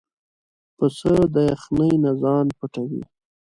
پسه د یخنۍ نه ځان پټوي.